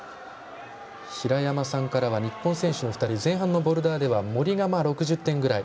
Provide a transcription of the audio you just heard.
平山さんからは日本選手の２人前半のボルダーでは森が６０点ぐらい。